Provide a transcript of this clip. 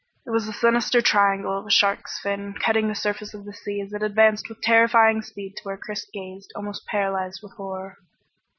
It was the sinister triangle of a shark's fin cutting the surface of the sea as it advanced with terrifying speed to where Chris gazed, almost paralyzed with horror.